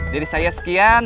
dari saya sekian